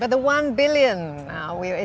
beberapa dari penyelenggara ini akan menyertai kami